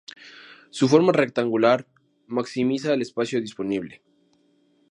Su forma rectangular maximiza el espacio disponible.